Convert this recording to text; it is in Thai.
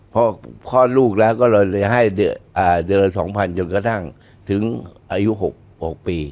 พอลูกแล้วเราจะให้เดือน๒๐๐๐จนกระทั่งถึงอายุ๖ปี